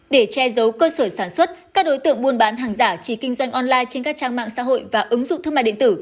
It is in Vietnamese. để che giấu cơ sở sản xuất các đối tượng buôn bán hàng giả chỉ kinh doanh online trên các trang mạng xã hội và ứng dụng thương mại điện tử